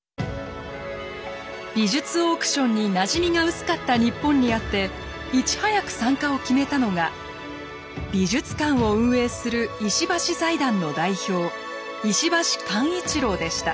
美術オークションになじみが薄かった日本にあっていち早く参加を決めたのが美術館を運営する石橋財団の代表